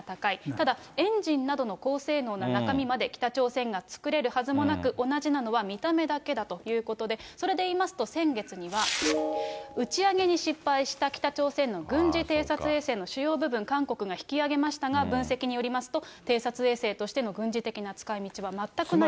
ただ、エンジンなどの高性能な中身まで北朝鮮が作れるはずもなく、同じなのは見た目だけだということで、それで言いますと、先月には、打ち上げに失敗した北朝鮮の軍事偵察衛星の主要部分、韓国が引き揚げましたが、分析によりますと、偵察衛星としての軍事的な使いみちは全くないと。